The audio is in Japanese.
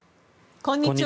こんにちは。